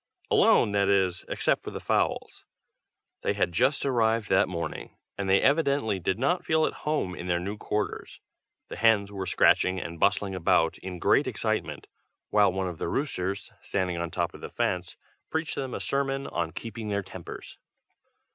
Alone, that is, except for the fowls. They had just arrived that morning, and they evidently did not feel at home in their new quarters. The hens were scratching and bustling about in great excitement, while one of the roosters, standing on top of the fence, preached them a sermon on keeping their tempers.